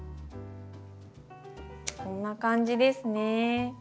こんな感じですね。